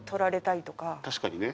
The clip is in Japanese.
確かにね。